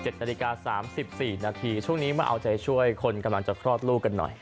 นาฬิกา๓๔นาทีช่วงนี้มาเอาใจช่วยคนกำลังจะคลอดลูกกันหน่อย